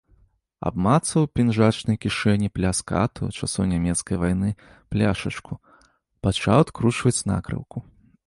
Абмацаў у пінжачнай кішэні пляскатую, часоў нямецкай вайны, пляшачку, пачаў адкручваць накрыўку.